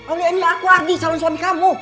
aulia ini aku adi calon suami kamu